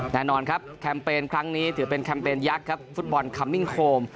แน่นอนครับแคมเปญครั้งนี้ถือเป็นแคมเปญยักษ์ครับฟุตบอลคัมมิ่งโคม